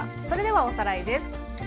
それではおさらいです。